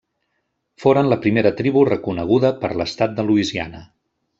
Foren la primera tribu reconeguda per l'estat de Louisiana.